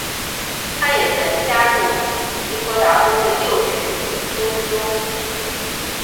他也曾加入提婆达多的六群比丘之中。